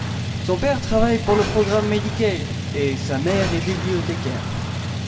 Son père travaille pour le programme Medicaid, et sa mère est bibliothécaire.